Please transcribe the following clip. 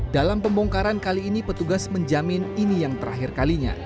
dalam pembongkaran kali ini petugas menjamin ini yang terakhir kalinya